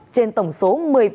trên tổng số một mươi ba